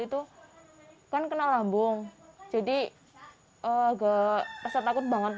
itu kan kena lambung jadi agak rasa takut banget